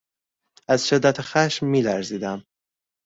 از شدت خشم میلرزیدم.